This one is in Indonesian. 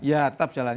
ya tetap jalan